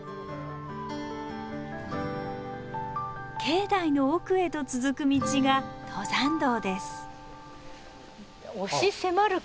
境内の奥へと続く道が登山道です。